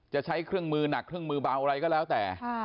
จะใช้เครื่องมือหนักเครื่องมือเบาอะไรก็แล้วแต่